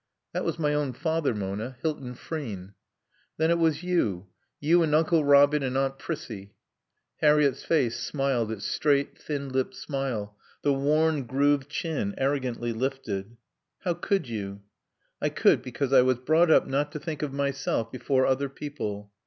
"That was my own father, Mona, Hilton Frean." "Then it was you. You and Uncle Robin and Aunt Prissie." Harriett's face smiled its straight, thin lipped smile, the worn, grooved chin arrogantly lifted. "How could you?" "I could because I was brought up not to think of myself before other people."